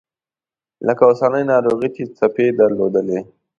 لکه اوسنۍ ناروغي چې څپې درلودې.